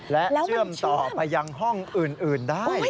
แล้วมันเชื่อมแล้วเชื่อมต่อไปยังห้องอื่นได้